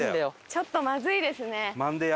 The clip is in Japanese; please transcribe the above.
ちょっとまずいですね。